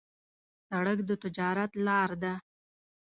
سړک د تجارت لار ده.